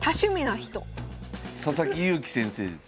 佐々木勇気先生です。